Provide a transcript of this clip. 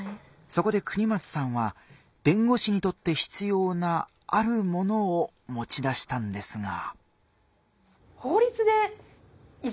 そこで國松さんは弁護士にとって必要なあるものをもち出したんですが。